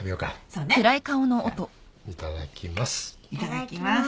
じゃいただきます